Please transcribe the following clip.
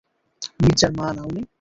মির্জার মা না উনি?